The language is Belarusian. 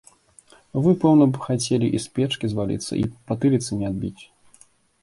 Вы, пэўна б, хацелі і з печкі зваліцца і патыліцы не адбіць?